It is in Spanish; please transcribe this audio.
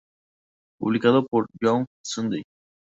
Publicado por Young sunday.